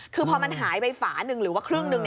คือพอมันหายไปฝาหนึ่งหรือว่าครึ่งหนึ่ง